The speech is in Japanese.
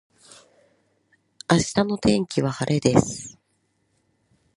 明日の天気は晴れです